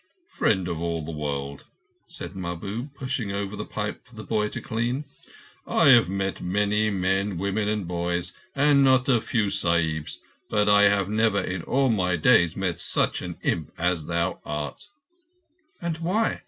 "Friend of all the World," said Mahbub, pushing over the pipe for the boy to clean, "I have met many men, women, and boys, and not a few Sahibs. I have never in all my days met such an imp as thou art." "And why?